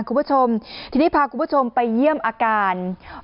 คุณผู้ชมทีนี้พาคุณผู้ชมไปเยี่ยมอาการ